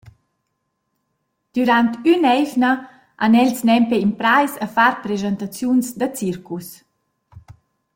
Dürant ün’eivna han els nempe imprais a far preschantaziuns da circus.